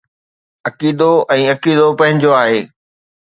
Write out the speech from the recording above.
عقيدو ۽ عقيدو پنهنجو آهي.